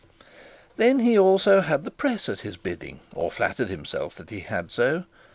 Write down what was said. Then he also had the press at his bidding, or flattered himself that he had so.